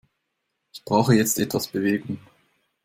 Ich brauche jetzt etwas Bewegung.